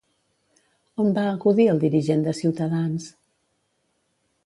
On va acudir el dirigent de Ciutadans?